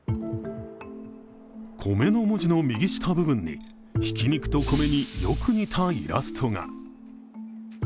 「米」の文字の右下部分に、挽肉と米によく似たイラストが。